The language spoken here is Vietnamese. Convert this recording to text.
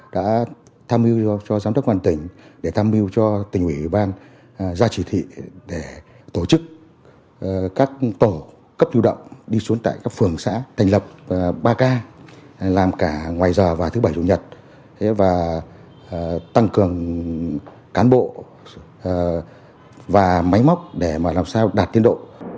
đã tham mưu cho giám đốc quan tỉnh để tham mưu cho tỉnh ủy ban ra chỉ thị để tổ chức các tổ cấp lưu động đi xuống tại các phường xã thành lập ba k làm cả ngoài giờ và thứ bảy chủ nhật và tăng cường cán bộ và máy móc để làm sao đạt tiến độ